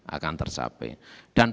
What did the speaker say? akan tercapai dan